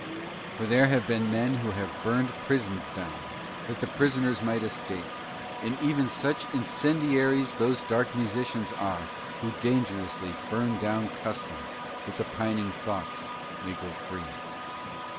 For there have been men who have burned prisons down that the prisoners might escape, and even such incendiaries those dark musicians are who dangerously burn down custom that the pining thoughts may go free.